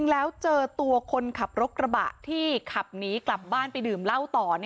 แล้วเจอตัวคนขับรถกระบะที่ขับหนีกลับบ้านไปดื่มเหล้าต่อ